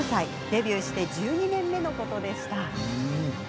デビューして１２年目のことでした。